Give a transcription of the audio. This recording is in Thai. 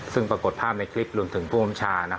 ซึ่งปรากฏภาพในคลิปรวมถึงผู้อำชา